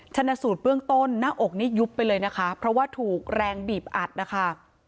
ชนะสูตรเบื้องต้นหน้าอกนี่ยุบไปเลยนะคะเพราะว่าถูกแรงบีบอัดนะคะ